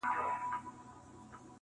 • ښورواگاني يې څټلي د كاسو وې -